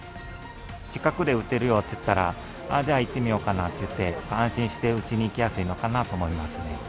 近くで打てるよって言ったら、じゃあ行ってみようかなって、安心して打ちにいきやすいのかな